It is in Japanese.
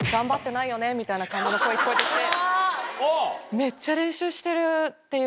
みたいな感じの声聞こえてきて。